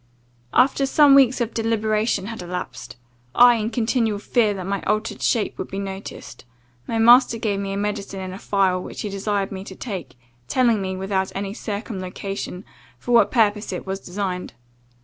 After some weeks of deliberation had elapsed, I in continual fear that my altered shape would be noticed, my master gave me a medicine in a phial, which he desired me to take, telling me, without any circumlocution, for what purpose it was designed.